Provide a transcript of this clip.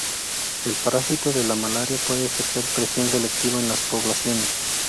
El parásito de la malaria puede ejercer presión selectiva en las poblaciones.